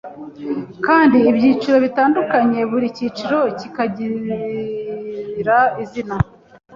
kandi ibyiciro bitandukanye, buri cyiciro kikagira izina.